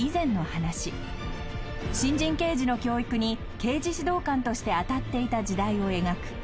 ［新人刑事の教育に刑事指導官として当たっていた時代を描く］